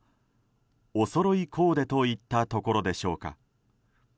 おそろいコーデといったところでしょうか。